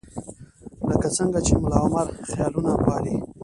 لکه څنګه چې ملاعمر خیالونه پالي.